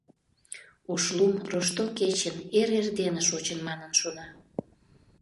Ошлум Рошто кечын эр-эрдене шочын манын шона.